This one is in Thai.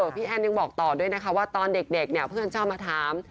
พี่แอนยังบอกต่อด้วยนะคะว่าตอนเด็กเนี่ยเพื่อนชอบมาถาม